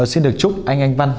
xin được chúc anh anh văn